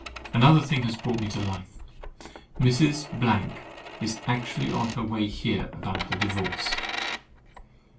Another thing has brought me to life. Mrs. —— is actually on her way here about the divorce.